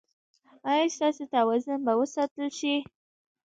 ایا ستاسو توازن به وساتل شي؟